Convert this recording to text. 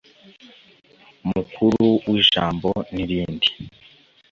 mukuru w'ijambo ni irindi